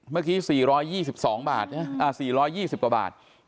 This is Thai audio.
เมื่อกี้สี่ร้อยยี่สิบสองบาทเนี้ยอ่าสี่ร้อยยี่สิบกว่าบาท